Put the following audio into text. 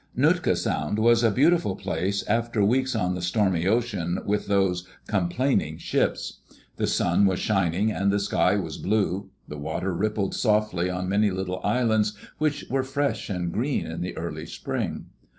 Nootka Sound was a beautiful place after weeks on the stormy ocean with those "complaining" ships. The sun was shining and the sky was blue. The water rippled softly on many little islands, which were fresh and green in the early spring.